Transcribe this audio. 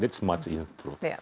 itu banyak improve